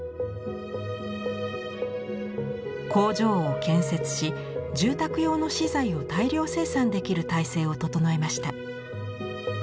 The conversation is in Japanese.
工場を建設し住宅用の資材を大量生産できる体制を整えました。